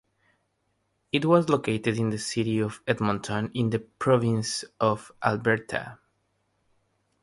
It was located in the city of Edmonton in the province of Alberta.